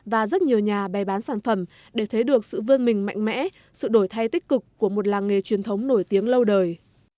và rất nhiều nhà bè bán sản phẩm để thấy được sự vươn mình mạnh mẽ sự đổi thay tích cực của một làng nghề truyền thống nổi tiếng lâu đời